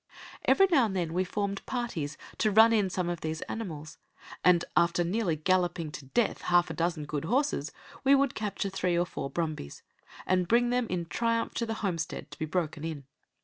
Every now and again we formed parties to run in some of these animals, and, after nearly galloping to death half a dozen good horses, we would capture three or four brumbies, and bring them in triumph to the homestead to be broken in.